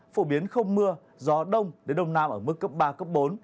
phổ biến không mưa gió đông đến đông nam ở mức cấp ba cấp bốn